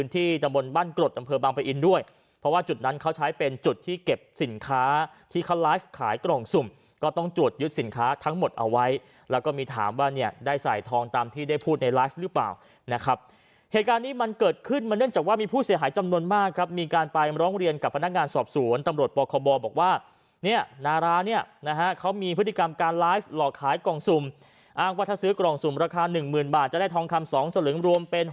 ตรวจยึดสินค้าทั้งหมดเอาไว้แล้วก็มีถามว่าเนี่ยได้ใส่ทองตามที่ได้พูดในไลฟ์หรือเปล่านะครับเหตุการณ์นี้มันเกิดขึ้นมันเนื่องจากว่ามีผู้เสียหายจำนวนมากครับมีการไปร้องเรียนกับพนักงานสอบศูนย์ตำรวจปคบบอกว่าเนี่ยนาราเนี่ยนะฮะเขามีพฤติกรรมการไลฟ์หลอกขายกล่องสุ่มอ้างว่